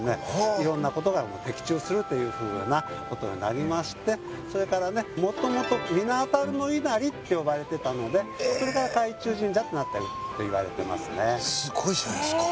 いろんなことが的中するというふうなことになりましてそれからもともと皆中の稲荷って呼ばれてたのでそれが皆中神社となったといわれていますね